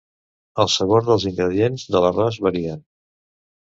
El sabor dels ingredients de l'arròs varien.